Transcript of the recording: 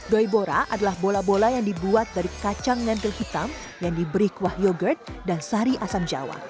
doi bora adalah bola bola yang dibuat dari kacang ngantel hitam yang diberi kuah yoghurt dan sari asam jawa